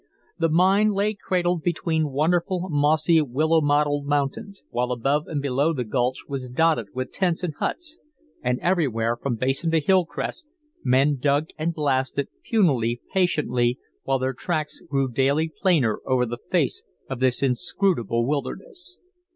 The mine lay cradled between wonderful, mossy, willow mottled mountains, while above and below the gulch was dotted with tents and huts, and everywhere, from basin to hill crest, men dug and blasted, punily, patiently, while their tracks grew daily plainer over the face of this inscrutable wilderness.